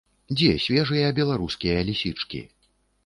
Дзе свежыя беларускія лісічкі?